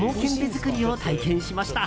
作りを体験しました。